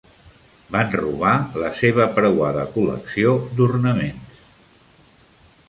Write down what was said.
Van robar la seva preuada col·lecció d'ornaments.